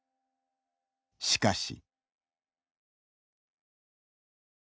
しかし。